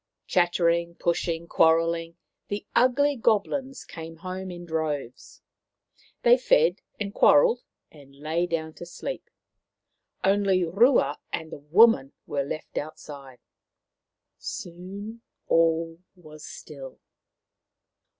Chattering, pushing, quarrelling, the ugly Gob lins came home in droves. They fed and quar relled and lay down to sleep. Only Rua and the woman were left outside. Soon all was still.